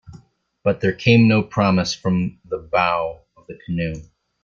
But there came no promise from the bow of the canoe.